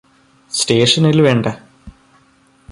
സ്റ്റേഷനില് വേണ്ട